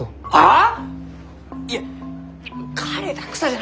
あ。